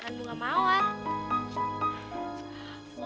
pameran bunga mawar